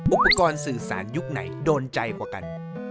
อุปกรณ์สื่อสารยุคไหนโดนใจกว่ากัน